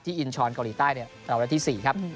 ที่อินชรเกาหลีใต้เนี่ยเอาละที่๔ครับ